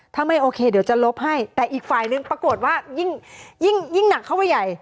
ถ้าไม่โอเคเดี๋ยวจะลบให้แต่อีกฝ่ายนึงปรากฏว่ายิ่งหนักเข้าไปใหญ่